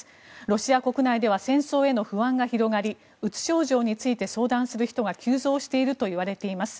ロシア国内では戦争への不安が広がりうつ症状について相談する人が急増しているといわれています。